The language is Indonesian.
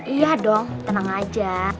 iya dong tenang aja